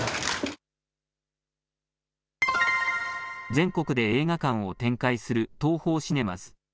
全国で映画館を展開するＴＯＨＯシネマズ。